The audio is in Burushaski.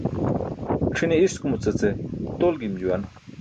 C̣ʰine iskumuca ce tol gim juwan.